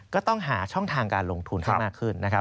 ก็ต้องหาช่องทางการลงทุนที่มากขึ้น